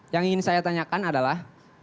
yang ingin saya tanyakan adalah